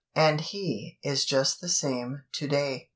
And He is just the same to day.